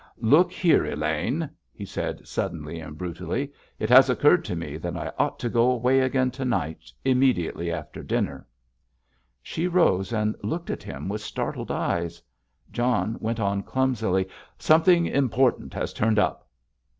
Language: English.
"Look here, Elaine!" he said, suddenly and brutally. "It has occurred to me that I ought to go away again to night, immediately after dinner!" She rose and looked at him with startled eyes. John went on, clumsily: "Something important has turned up!"